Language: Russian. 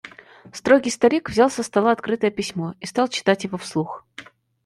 Строгий старик взял со стола открытое письмо и стал читать его вслух: